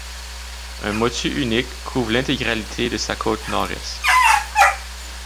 Un motu unique couvre l'intégralité de sa côte nord-est.